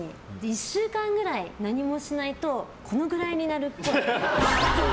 １週間ぐらい何もしないとこのぐらいになるっぽい。